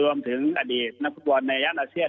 รวมถึงอดีตนักฟุตบอลในย่านอาเซียน